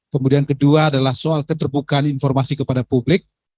kemudian kedua adalah soal keterbukaan informasi kepada publik